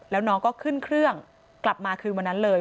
แล้วน้องก็ขึ้นเครื่องกลับมาคืนวันนั้นเลย